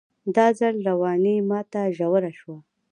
دا ځل رواني ماته ژوره شوه